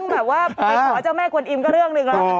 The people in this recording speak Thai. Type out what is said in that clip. ต้องแบบว่าไปขอเจ้าแม่กวนอิ่มก็เรื่องนึงนะ